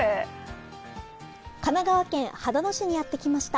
神奈川県秦野市にやって来ました。